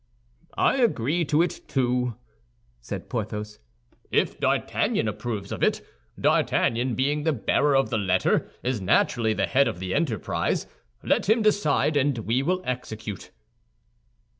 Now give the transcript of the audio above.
"I agree to it, too," said Porthos, "if D'Artagnan approves of it. D'Artagnan, being the bearer of the letter, is naturally the head of the enterprise; let him decide, and we will execute."